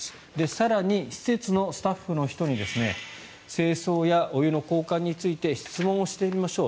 更に、施設のスタッフの人に清掃やお湯の交換について質問をしてみましょう。